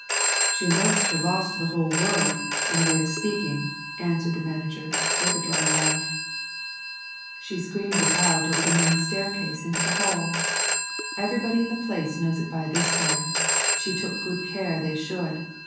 "She announced her loss to the whole world, in a way of speaking," answered the manager, with a dry laugh. "She screamed it out over the main staircase into the hall! Everybody in the place knows it by this time she took good care they should.